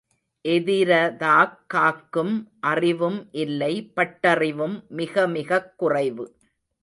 எதிரதாக் காக்கும் அறிவும் இல்லை பட்டறிவும் மிக மிகக் குறைவு.